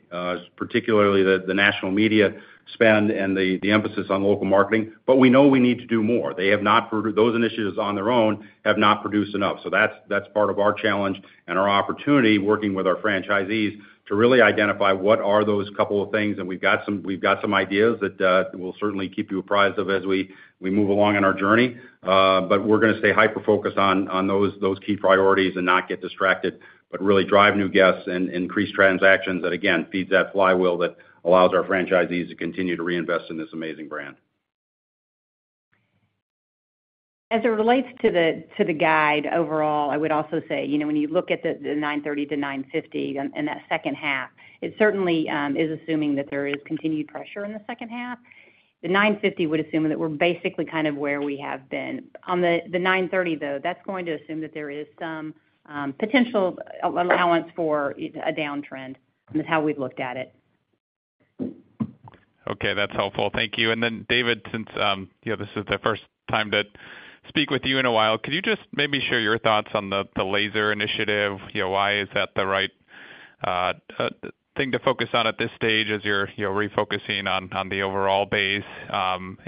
particularly the national media spend and the emphasis on local marketing, but we know we need to do more. Those initiatives on their own, have not produced enough. So that's part of our challenge and our opportunity, working with our franchisees, to really identify what are those couple of things. And we've got some ideas that we'll certainly keep you apprised of as we move along on our journey. But we're gonna stay hyper-focused on those key priorities and not get distracted, but really drive new guests and increase transactions that, again, feeds that flywheel that allows our franchisees to continue to reinvest in this amazing brand. As it relates to the guide overall, I would also say, you know, when you look at the $9.30-$9.50 in that second half, it certainly is assuming that there is continued pressure in the second half. The $9.50 would assume that we're basically kind of where we have been. On the $9.30, though, that's going to assume that there is some potential allowance for a downtrend. That's how we've looked at it. Okay, that's helpful. Thank you. And then, David, since you know, this is the first time to speak with you in a while, could you just maybe share your thoughts on the laser initiative? You know, why is that the right thing to focus on at this stage as you're you know, refocusing on the overall base?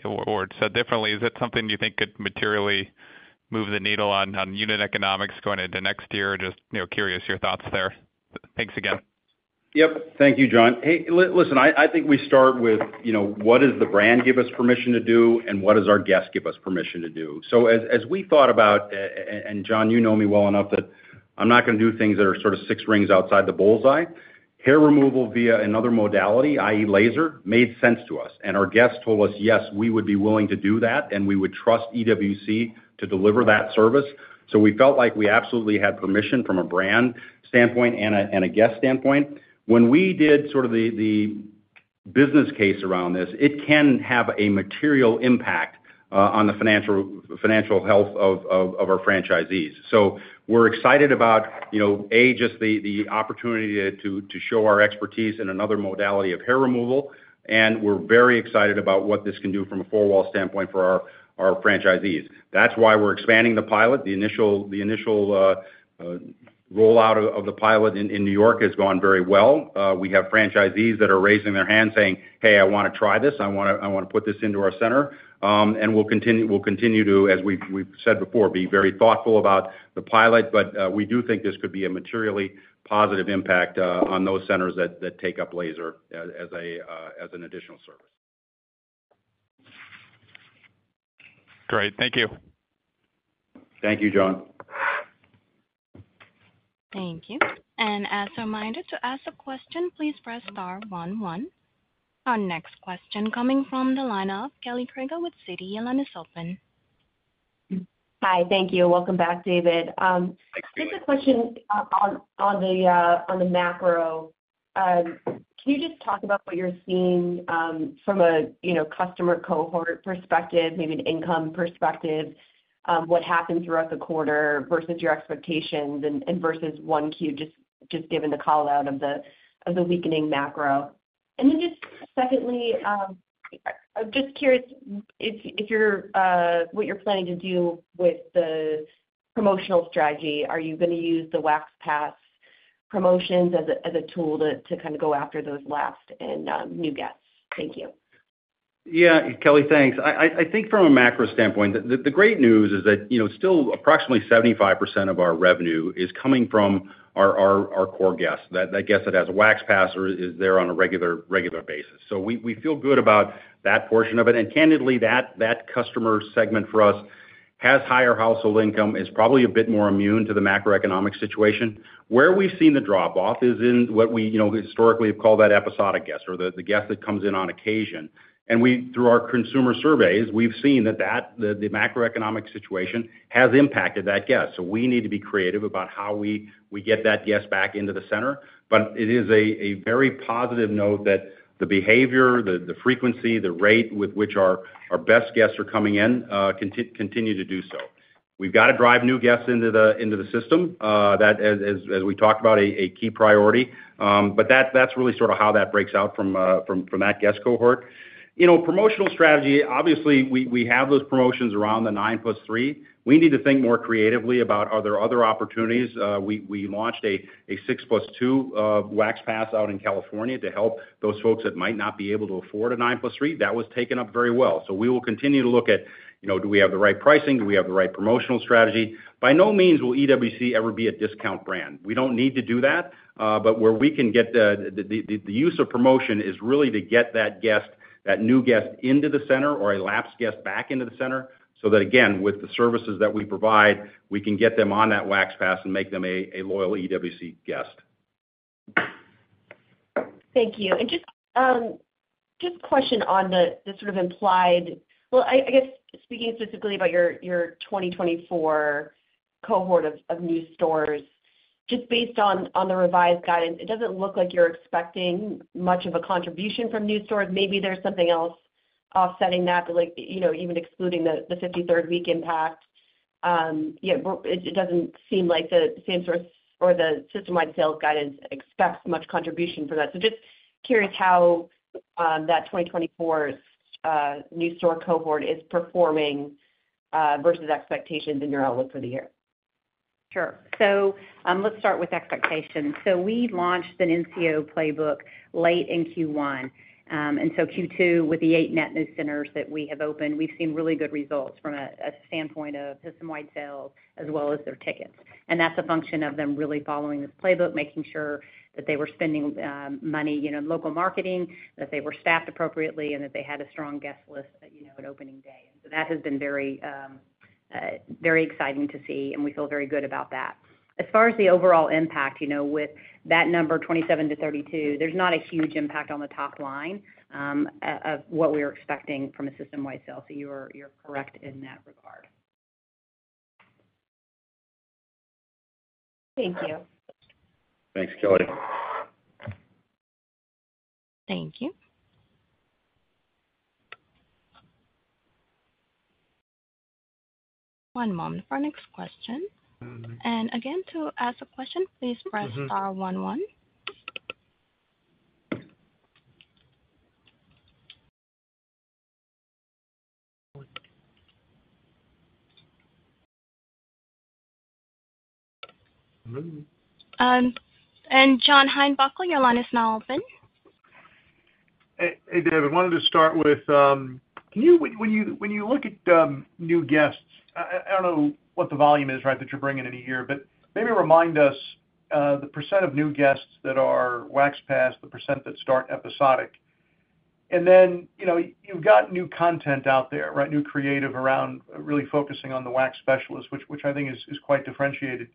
Or said differently, is that something you think could materially move the needle on unit economics going into next year? Just you know, curious your thoughts there. Thanks again. Yep. Thank you, John. Hey, listen, I think we start with, you know, what does the brand give us permission to do, and what does our guest give us permission to do? So as we thought about, and John, you know me well enough, that I'm not gonna do things that are sort of six rings outside the bullseye. Hair removal via another modality, i.e., laser, made sense to us, and our guests told us, "Yes, we would be willing to do that, and we would trust EWC to deliver that service." So we felt like we absolutely had permission from a brand standpoint and a guest standpoint. When we did sort of the business case around this, it can have a material impact on the financial health of our franchisees. So we're excited about, you know, just the opportunity to show our expertise in another modality of hair removal, and we're very excited about what this can do from a four-wall standpoint for our franchisees. That's why we're expanding the pilot. The initial rollout of the pilot in New York has gone very well. We have franchisees that are raising their hands saying, "Hey, I wanna try this. I wanna put this into our center." And we'll continue to, as we've said before, be very thoughtful about the pilot, but we do think this could be a materially positive impact on those centers that take up laser as an additional service. Great. Thank you. Thank you, John. Thank you. And as a reminder, to ask a question, please press star one one. Our next question coming from the line of Kelly Crago with Citi, your line is open. Hi. Thank you. Welcome back, David. Thanks, Kelly. Just a question on the macro. Can you just talk about what you're seeing from a, you know, customer cohort perspective, maybe an income perspective, what happened throughout the quarter versus your expectations and versus 1Q, just given the call out of the weakening macro? And then just secondly, I'm just curious what you're planning to do with the promotional strategy. Are you gonna use the Wax Pass promotions as a tool to kind of go after those lapsed and new guests? Thank you. Yeah, Kelly, thanks. I think from a macro standpoint, the great news is that, you know, still approximately 75% of our revenue is coming from our core guests, the guests that has a Wax Pass or is there on a regular basis. So we feel good about that portion of it. And candidly, that customer segment for us has higher household income, is probably a bit more immune to the macroeconomic situation. Where we've seen the drop-off is in what we, you know, historically have called that episodic guest or the guest that comes in on occasion. And we, through our consumer surveys, we've seen that the macroeconomic situation has impacted that guest. So we need to be creative about how we get that guest back into the center. But it is a very positive note that the behavior, the frequency, the rate with which our best guests are coming in, continue to do so. We've got to drive new guests into the system, that as we talked about, a key priority. But that's really sort of how that breaks out from that guest cohort. You know, promotional strategy, obviously, we have those promotions around the nine plus three. We need to think more creatively about are there other opportunities? We launched a six plus two Wax Pass out in California to help those folks that might not be able to afford a nine plus three. That was taken up very well. So we will continue to look at, you know, do we have the right pricing? Do we have the right promotional strategy? By no means, will EWC ever be a discount brand. We don't need to do that, but where we can get the use of promotion is really to get that guest, that new guest into the center or a lapsed guest back into the center, so that again, with the services that we provide, we can get them on that Wax Pass and make them a loyal EWC guest. Thank you. And just a question on the sort of implied. Well, I guess speaking specifically about your 2024 cohort of new stores, just based on the revised guidance, it doesn't look like you're expecting much of a contribution from new stores. Maybe there's something else offsetting that, but like, you know, even excluding the 53rd week impact, but it doesn't seem like the same store or the system-wide sales guidance expects much contribution for that. So just curious how that 2024 new store cohort is performing versus expectations in your outlook for the year. Sure. So, let's start with expectations. So we launched the NCO playbook late in Q1. And so Q2, with the 8 net new centers that we have opened, we've seen really good results from a standpoint of system-wide sales as well as their tickets. And that's a function of them really following this playbook, making sure that they were spending money, you know, in local marketing, that they were staffed appropriately, and that they had a strong guest list, you know, at opening day. So that has been very exciting to see, and we feel very good about that. As far as the overall impact, you know, with that number, 27-32, there's not a huge impact on the top line of what we were expecting from a system-wide sales. So you're correct in that regard. Thank you. Thanks, Kelly. Thank you. One moment for our next question. And again, to ask a question, please press star one one. And John Heinbockel, your line is now open. Hey, hey, David. I wanted to start with, can you when you look at new guests, I don't know what the volume is, right, that you're bringing in a year, but maybe remind us, the percent of new guests that are Wax Pass, the percent that start episodic? And then, you know, you've got new content out there, right? New creative around really focusing on the wax specialist, which I think is quite differentiated.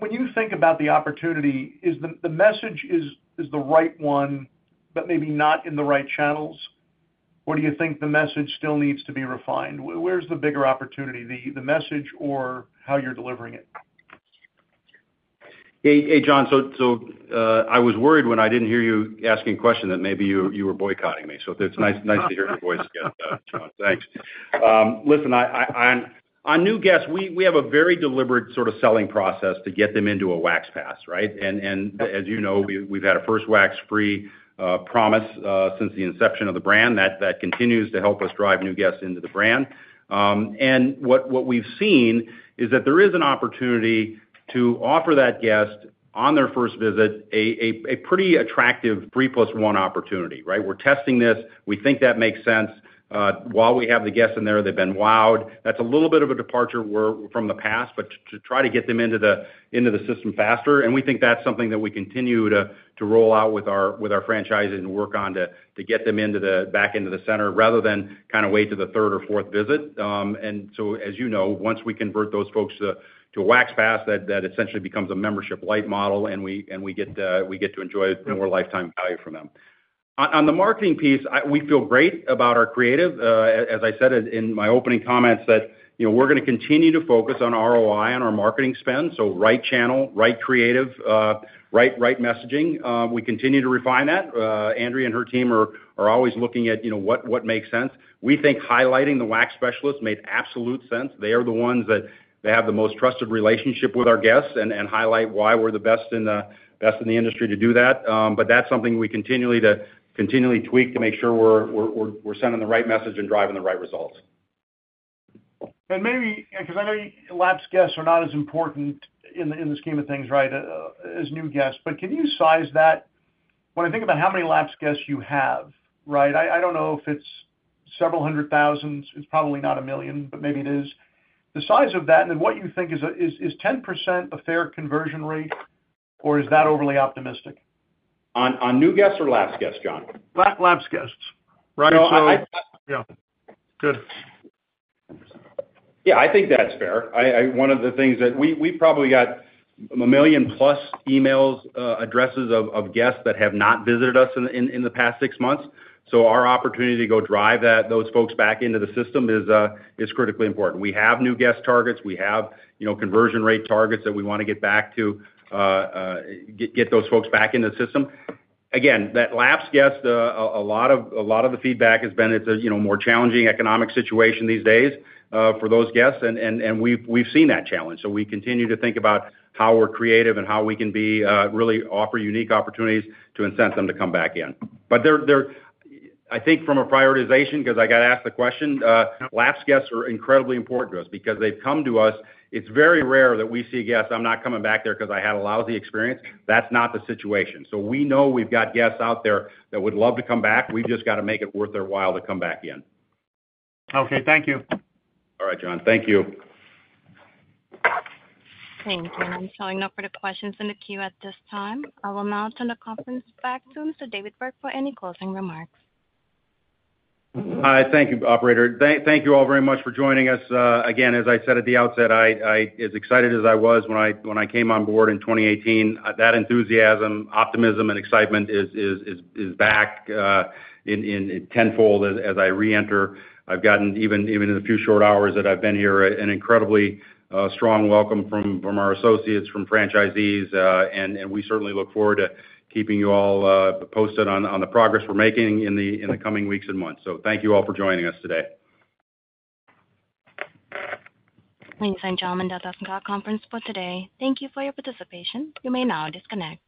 When you think about the opportunity, is the message the right one, but maybe not in the right channels? Or do you think the message still needs to be refined? Where's the bigger opportunity: the message or how you're delivering it? Hey, John. So, I was worried when I didn't hear you asking a question, that maybe you were boycotting me. So it's nice to hear your voice again, John. Thanks. Listen, on new guests, we have a very deliberate sort of selling process to get them into a Wax Pass, right? And as you know, we've had a first wax free promise since the inception of the brand. That continues to help us drive new guests into the brand. And what we've seen is that there is an opportunity to offer that guest, on their first visit, a pretty attractive three plus one opportunity, right? We're testing this. We think that makes sense. While we have the guests in there, they've been wowed. That's a little bit of a departure from the past, but to try to get them into the system faster, and we think that's something that we continue to roll out with our franchisees and work on to get them back into the center, rather than kind of wait to the third or fourth visit. And so, as you know, once we convert those folks to a Wax Pass, that essentially becomes a membership life model, and we get to enjoy more lifetime value from them. On the marketing piece, we feel great about our creative. As I said in my opening comments, you know, we're gonna continue to focus on ROI and our marketing spend, so right channel, right creative, right messaging. We continue to refine that. Andrea and her team are always looking at, you know, what makes sense. We think highlighting the wax specialists made absolute sense. They are the ones that they have the most trusted relationship with our guests and highlight why we're the best in the industry to do that. But that's something we continually tweak to make sure we're sending the right message and driving the right results. And maybe, because I know lapsed guests are not as important in the, in the scheme of things, right, as new guests, but can you size that? When I think about how many lapsed guests you have, right? I don't know if it's several hundred thousands. It's probably not a million, but maybe it is. The size of that, and then what you think is, Is 10% a fair conversion rate, or is that overly optimistic? On new guests or lapsed guests, John? Lapped, lapsed guests. So I Right. So Yeah, good. Yeah, I think that's fair. One of the things that we probably got 1,000,000+ million email addresses of guests that have not visited us in the past six months. So our opportunity to drive those folks back into the system is critically important. We have new guest targets, we have, you know, conversion rate targets that we wanna get back to, get those folks back in the system. Again, that lapsed guest, a lot of the feedback has been, it's a, you know, more challenging economic situation these days, for those guests, and we've seen that challenge. So we continue to think about how we're creative and how we can really offer unique opportunities to incent them to come back in. But they're, I think from a prioritization, 'cause I got asked the question, lapsed guests are incredibly important to us because they've come to us. It's very rare that we see guests, "I'm not coming back there 'cause I had a lousy experience." That's not the situation. So we know we've got guests out there that would love to come back. We've just got to make it worth their while to come back in. Okay, thank you. All right, John. Thank you. Thank you. I'm showing no further questions in the queue at this time. I will now turn the conference back to Mr. David Berg for any closing remarks. Hi. Thank you, operator. Thank you all very much for joining us. Again, as I said at the outset, as excited as I was when I came on board in 2018, that enthusiasm, optimism, and excitement is back in tenfold as I reenter. I've gotten even in the few short hours that I've been here, an incredibly strong welcome from our associates, from franchisees, and we certainly look forward to keeping you all posted on the progress we're making in the coming weeks and months. So thank you all for joining us today. Ladies and gentlemen, that ends our conference for today. Thank you for your participation. You may now disconnect.